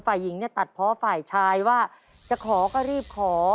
ฝ่ายหญิงเนี่ยตัดเพราะฝ่ายชายว่าจะขอก็รีบขอ